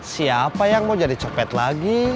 siapa yang mau jadi copet lagi